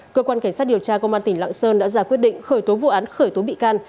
cơ quan cảnh sát điều tra công an tỉnh lạng sơn đã ra quyết định khởi tố vụ án khởi tố bị can